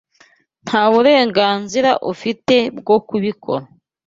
Nta burenganzira afite bwo kubikora.